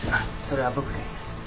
それは僕がやります。